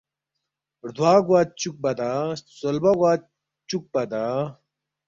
ردوا گوا چُوکپدا خسولبہ گوا چُوکپدا؟“